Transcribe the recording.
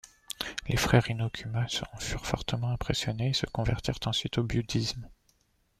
Les frères Hinokuma en furent fortement impressionnés et se convertirent ensuite au Bouddhisme.